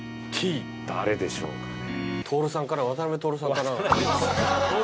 誰でしょうかね。